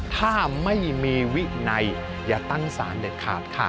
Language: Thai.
ถ้าไม่มีวินัยอย่าตั้งสารเด็ดขาดค่ะ